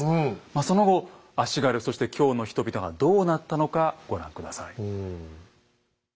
その後足軽そして京の人々がどうなったのかご覧下さい。